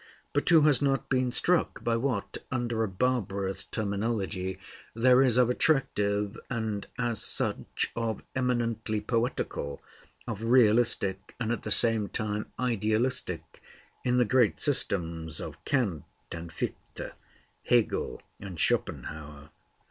But who has not been struck by what, under a barbarous terminology, there is of attractive, and as such of eminently poetical, of realistic and at the same time idealistic, in the great systems of Kant and Fichte, Hegel and Schopenhauer?